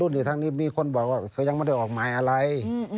นี่ทางนี้มีคนบอกว่าเขายังไม่ได้ออกหมายอะไร